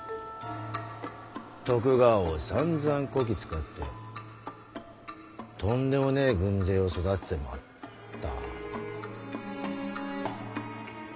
徳川をさんざんこき使ってとんでもねえ軍勢を育ててまった。